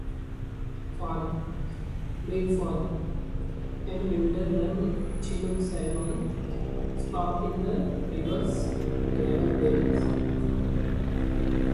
Fall-, late-fall-, and winter-run chinook salmon spawn in the river's gravel beds.